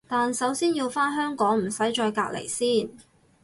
但首先要返香港唔使再隔離先